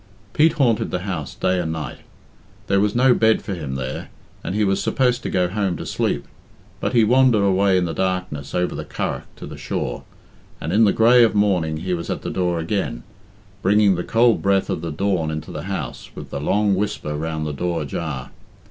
Pete haunted the house day and night. There was no bed for him there, and he was supposed to go home to sleep. But he wandered away in the darkness over the Curragh to the shore, and in the grey of morning he was at the door again, bringing the cold breath of the dawn into the house with the long whisper round the door ajar.